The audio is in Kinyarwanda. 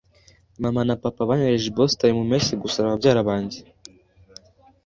Mama na papa banyohereje i Boston mu mpeshyi gusura babyara banjye.